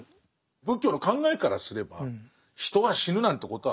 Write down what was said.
仏教の考えからすれば人が死ぬなんてことは僕も知ってます。